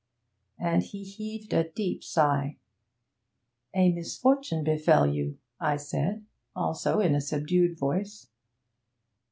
And he heaved a deep sigh. 'A misfortune befell you,' I said, also in a subdued voice.